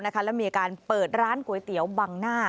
และมีการเปิดร้านก๋วยเตี๋ยวบังหน้า